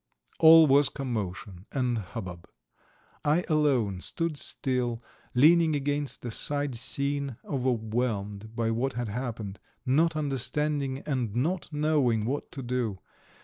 All was commotion and hubbub. I alone stood still, leaning against the side scene, overwhelmed by what had happened, not understanding and not knowing what to do.